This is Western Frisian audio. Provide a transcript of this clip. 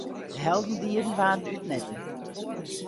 De heldendieden waarden útmetten.